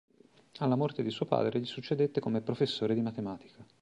Alla morte di suo padre gli succedette come professore di matematica.